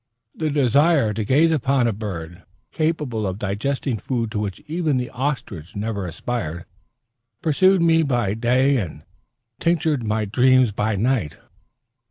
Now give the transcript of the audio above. The desire to gaze upon a bird capable of digesting food to which even the ostrich never aspired, pursued me by day and tinctured my dreams by night.